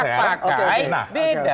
hak pakai beda